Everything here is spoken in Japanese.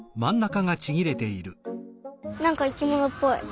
なんかいきものっぽい。